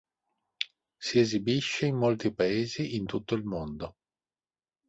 Si esibisce in molti paesi in tutto il mondo.